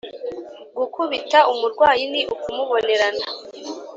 gukubita umurwayi ni ukumubonerana.